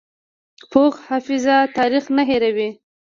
پوخ حافظه تاریخ نه هېروي